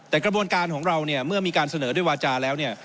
แต่กระบวนการของเราเนี่ยเมื่อมีการเสนอด้วยวาจาแล้วเนี่ย